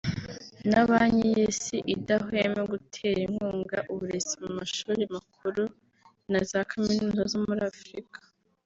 na Banki y’Isi idahweme gutera inkunga uburezi mu mashuri makuru na za kaminuza zo muri Afurika